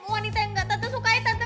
wanita yang gak tante sukai tante